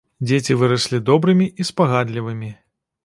Дзеці выраслі добрымі і спагадлівымі.